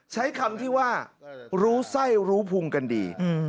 ใช้คำที่ว่ารู้ไส้รู้พุงกันดี